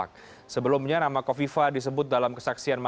kelen kan terima kasih